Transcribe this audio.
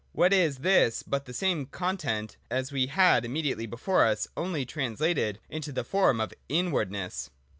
What is this but the same content as we had immediately before us, only trans lated into the form of inwardness